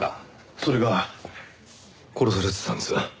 それが殺されてたんです。